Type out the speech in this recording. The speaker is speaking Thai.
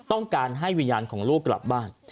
ต้องการให้วิญญาณของลูกกลับบ้าน